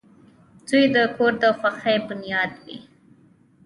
• زوی د کور د خوښۍ بنیاد وي.